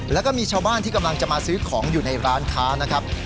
แล้วก็มีชาวบ้านที่กำลังจะมาซื้อของอยู่ในร้านค้านะครับ